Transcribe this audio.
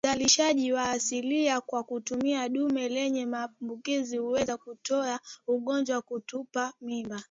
Uzalishaji wa asili kwa kutumia dume lenye maambukizi huweza kuleta ugonjwa wa kutupa mimba